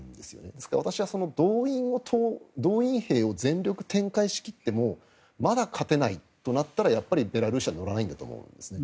ですから私は、動員兵を全力展開しきってもまだ勝てないとなったらやっぱりベラルーシは乗らないんだと思うんですね。